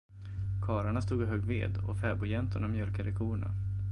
Karlarna stod och högg ved, och fäbodjäntorna mjölkade korna.